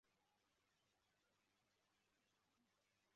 Umuhungu asinziriye ku gitanda cye cya Spiderman